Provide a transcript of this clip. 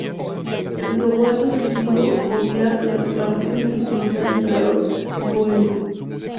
El shogunato decidió obviar la reclamación y reconocer al Emperador Go-En'yū.